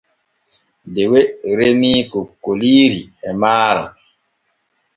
Dewe remii kokkoliiri e maaro.